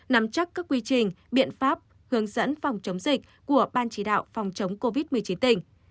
nắm chắc các quy trình biện pháp hướng dẫn phòng chống dịch của ban chỉ đạo phòng chống covid một mươi chín tỉnh